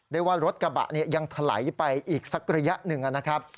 ได้ว่ารถกระบะยังถลายไปอีกสักระยะหนึ่งนะครับ